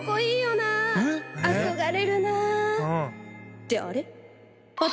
ってあれ？